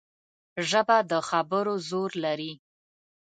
ژبه د خبرو زور لري